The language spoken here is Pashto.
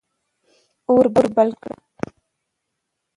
اور بل کړه.